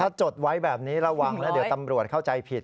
ถ้าจดไว้แบบนี้ระวังนะเดี๋ยวตำรวจเข้าใจผิด